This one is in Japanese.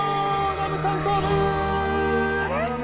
あれ？